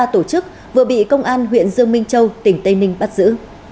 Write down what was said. ba tổ chức vừa bị công an huyện dương minh châu tỉnh tây ninh bắt giữ